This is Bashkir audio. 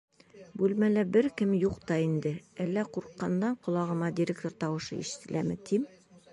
Бүлмәлә бер кем юҡ та инде, әллә ҡурҡҡандан ҡолағыма директор тауышы ишетеләме, тим.